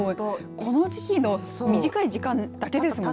この時期の短い時間だけですもんね。